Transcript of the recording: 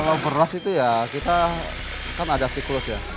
kalau beras itu ya kita kan ada siklus ya